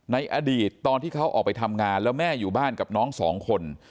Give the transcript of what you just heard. ในอดีตตอนที่เขาออกไปทำงานแล้วแม่อยู่บ้านกับน้องสองคน